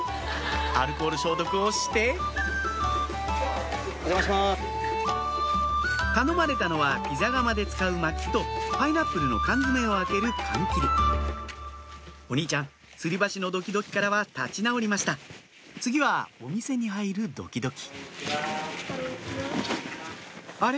アルコール消毒をして頼まれたのはピザ窯で使うマキとパイナップルの缶詰を開ける缶切りお兄ちゃんつり橋のドキドキからは立ち直りました次はお店に入るドキドキあれ？